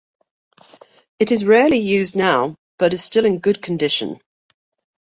It is rarely used now, but is still in good condition.